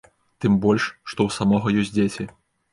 Тым больш, што у самога ёсць дзеці.